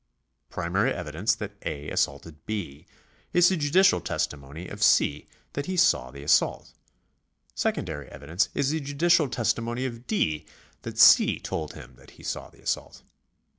Primary evidence that A. assaulted B. is the judicial testimony of C. that he saw the assault ; secondary evidence is the judicial testimony of D. that C. told him that he saw the assault.